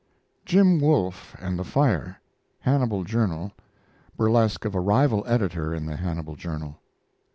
JIM WOLFE AND THE FIRE Hannibal Journal. Burlesque of a rival editor in the Hannibal Journal.